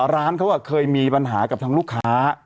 ร้านเขาเคยมีปัญหากับทางลูกค้า